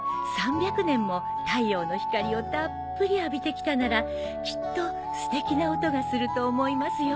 ３００年も太陽の光をたっぷり浴びてきたならきっとすてきな音がすると思いますよ。